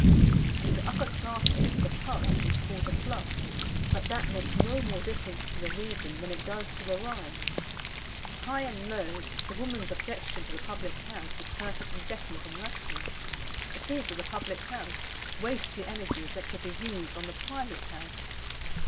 In the upper classes the "pub" is called the club, but that makes no more difference to the reason than it does to the rhyme. High and low, the woman's objection to the Public House is perfectly definite and rational, it is that the Public House wastes the energies that could be used on the private house.